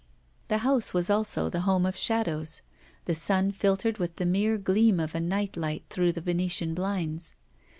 The house was also the home of shadows; the sun filtered with the mere gleam of a night light through the Venetian blinds.